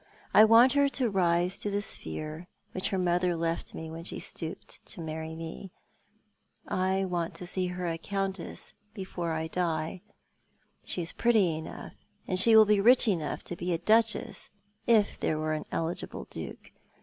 "I want her to rise to the sphere which her mother left when she stooped to marry me. I want to see her a Countess, before I die. She is pretty enough, and she will be rich enough to be a Duchess — if there were an eligible Duke.